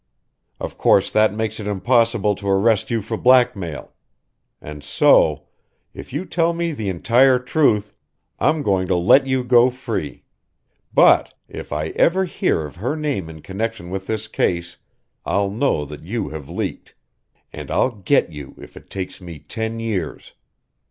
Of course that makes it impossible to arrest you for blackmail and so, if you tell me the entire truth, I'm going to let you go free. But if I ever hear of her name in connection with this case I'll know that you have leaked and I'll get you if it takes me ten years.